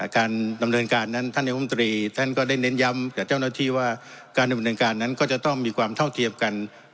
การดำเนินการนั้นท่านนายกรมตรีท่านก็ได้เน้นย้ำกับเจ้าหน้าที่ว่าการดำเนินการนั้นก็จะต้องมีความเท่าเทียมกัน